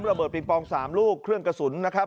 เบิงปอง๓ลูกเครื่องกระสุนนะครับ